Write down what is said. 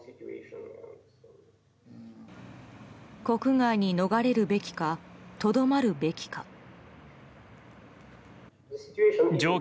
国外に逃れるべきかとどまるべきか。